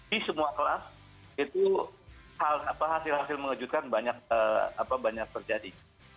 di semua kelas itu hasil hasil mengejutkan banyak terjadi